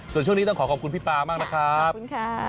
ส่วนช่วงนี้ต้องขอขอบคุณพี่ป๊ามากนะครับขอบคุณค่ะ